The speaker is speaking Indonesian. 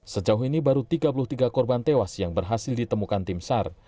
sejauh ini baru tiga puluh tiga korban tewas yang berhasil ditemukan tim sar